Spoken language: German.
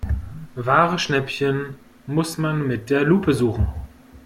Wahre Schnäppchen muss man mit der Lupe suchen.